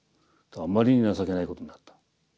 あまりに情けないことになった。